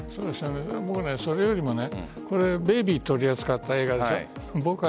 僕、それよりもベイビーを取り扱った映画でしょう。